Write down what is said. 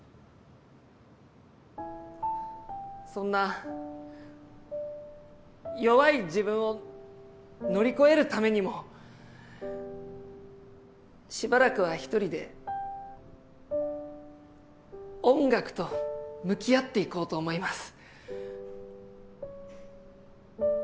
そんな弱い自分を乗り越えるためにもしばらくは１人で音楽と向き合っていこうと思います。